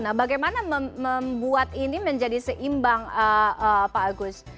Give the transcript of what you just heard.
nah bagaimana membuat ini menjadi seimbang pak agus